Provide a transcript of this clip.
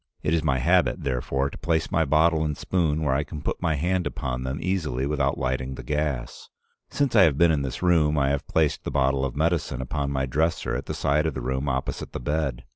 It is my habit, therefore, to place my bottle and spoon where I can put my hand upon them easily without lighting the gas. Since I have been in this room, I have placed the bottle of medicine upon my dresser at the side of the room opposite the bed.